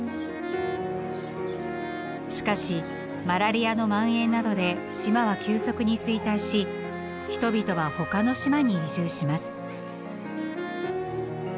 しかしマラリアのまん延などで島は急速に衰退し人々はほかの島に移住します。